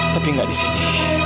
tapi gak disini